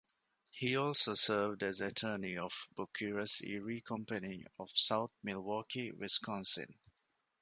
He also served as attorney of Bucyrus Erie Company of South Milwaukee, Wisconsin.